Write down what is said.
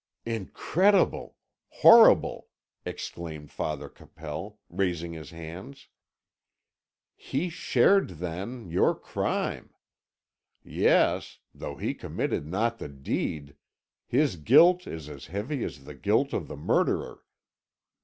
"Incredible horrible!" exclaimed Father Capel, raising his hands. "He shared, then, your crime. Yes; though he committed not the deed, his guilt is as heavy as the guilt of the murderer.